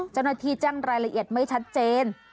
เจ้าหน้าที่แจ้งรายละเอียดไม่ชัดเจน